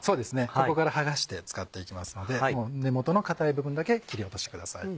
ここから剥がして使っていきますので根元の硬い部分だけ切り落としてください。